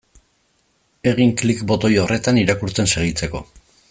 Egin klik botoi horretan irakurtzen segitzeko.